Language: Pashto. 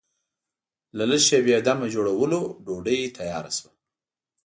له لږ شېبې دمه جوړولو ډوډۍ تیاره شوه.